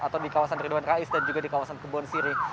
atau di kawasan ridwan rais dan juga di kawasan kebon sirih